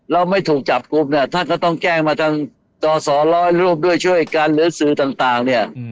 เราไม่ถูกจับกลุ่มเนี่ยท่านก็ต้องแจ้งมาทางต่อสอร้อยรูปด้วยช่วยกันหรือสื่อต่างเนี่ย